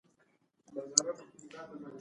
زه به سبا خپل ورور ته زنګ ووهم.